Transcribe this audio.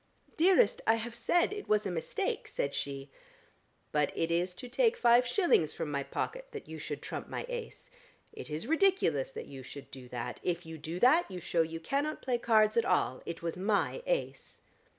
"Dearest, I have said it was a mistake," said she. "But it is to take five shillings from my pocket, that you should trump my ace. It is ridiculous that you should do that. If you do that, you shew you cannot play cards at all. It was my ace."